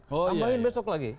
tambahin besok lagi